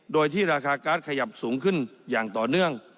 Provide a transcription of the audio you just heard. โดยที่ราคาการ์ดขยับสูงขึ้นอย่างต่อเนื่อง